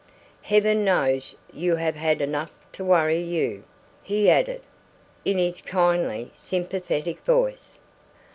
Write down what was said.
"Heaven knows you have had enough to worry you!" he added, in his kindly, sympathetic voice.